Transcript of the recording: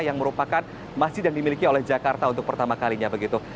yang merupakan masjid yang dimiliki oleh jakarta untuk pertama kalinya begitu